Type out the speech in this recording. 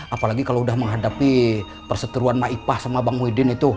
apalagi kalo udah menghadapi perseteruan maipah sama bang widdin itu